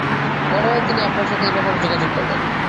মনে হয় না তিনি আপনার সাথে এ ব্যাপারে যোগাযোগ করবেন।